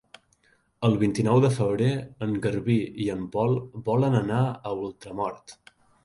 El vint-i-nou de febrer en Garbí i en Pol volen anar a Ultramort.